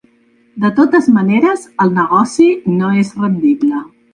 De totes maneres, el negoci no és rendible.